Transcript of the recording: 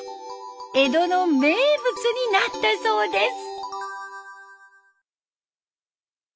江戸の名物になったそうです。